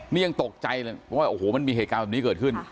นี่ยังตกใจเลยว่าโอ้โหมันมีเหตุการณ์แบบนี้เกิดขึ้น